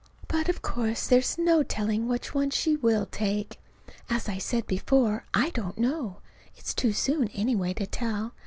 But of course there's no telling which one she will take. As I said before, I don't know. It's too soon, anyway, to tell.